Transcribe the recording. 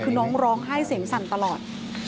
คือน้องร้องไห้เสียงสั่นตลอด